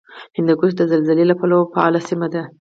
هندوکش د زلزلې له پلوه فعاله سیمه ده